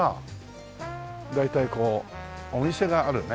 大体こうお店があるね。